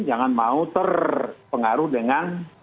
jangan mau terpengaruh dengan